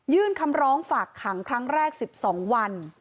คำร้องฝากขังครั้งแรก๑๒วัน